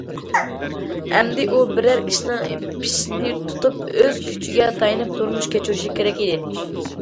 ئەمدى ئۇ بىرەر ئىشنىڭ پېشىنى تۇتۇپ ئۆز كۈچىگە تايىنىپ تۇرمۇش كەچۈرۈشى كېرەك ئىدى.